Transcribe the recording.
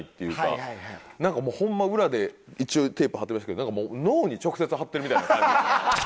ホンマ裏で一応テープ貼ってるんですけどなんかもう脳に直接貼ってるみたいな感じでした。